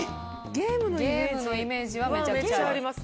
ゲームのイメージはめっちゃあります。